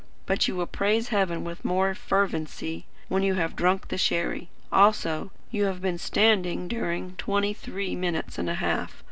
But you will praise Heaven with more fervency when you have drunk the sherry. Also you have been standing during twenty three minutes and a half.